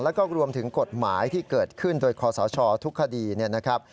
แล้วก็รวมถึงกฎหมายที่เกิดขึ้นโดยคอสชทุกคดีเนี่ยนะครับ